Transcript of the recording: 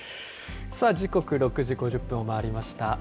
さあ、時刻６時５０分を回りました。